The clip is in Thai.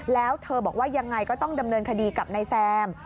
แล้วเธอบอกว่ายังไงก็ต้องดำเนินคดีกับนายแซม